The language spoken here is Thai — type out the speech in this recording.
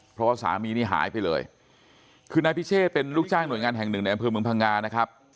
เพราะว่าสามีนี่หายไปเลยคือนายพิเชษเป็นลูกจ้างหน่วยงานแห่งหนึ่งในอำเภอเมืองพังงานะครับ